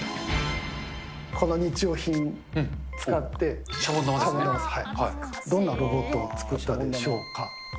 この日用品使って、シャボン玉ですが、どんなロボットを作ったでしょうか。